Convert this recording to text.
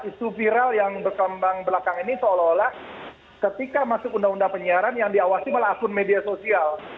isu viral yang berkembang belakang ini seolah olah ketika masuk undang undang penyiaran yang diawasi malah akun media sosial